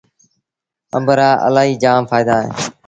آݩب رآ الهيٚ جآم ڦآئيدآ اوهيݩ۔